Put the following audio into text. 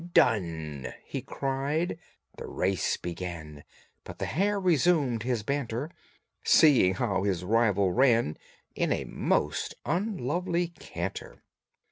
"Done!" he cried. The race began, But the hare resumed his banter, Seeing how his rival ran In a most unlovely canter.